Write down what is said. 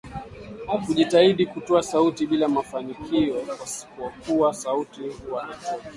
Kujitahidi kutoa sauti bila mafinikio kwa kuwa sauti huwa haitoki